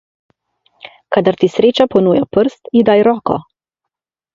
Kadar ti sreča ponuja prst, ji daj roko.